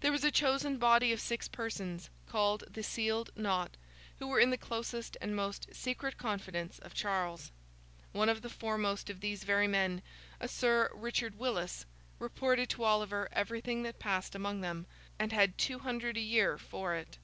There was a chosen body of six persons, called the Sealed Knot, who were in the closest and most secret confidence of Charles. One of the foremost of these very men, a Sir Richard Willis, reported to Oliver everything that passed among them, and had two hundred a year for it.